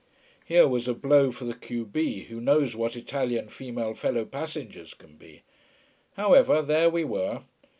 Here was a blow for the q b, who knows what Italian female fellow passengers can be. However, there we were.